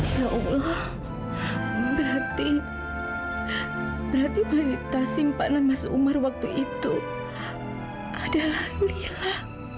ya allah berarti wanita simpanan mas umar waktu itu adalah lila